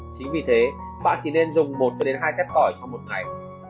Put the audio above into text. chính vì thế bạn chỉ nên dùng một hai chất tỏi trong một ngày